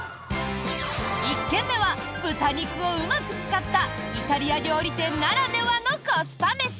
１軒目は豚肉をうまく使ったイタリア料理店ならではのコスパ飯。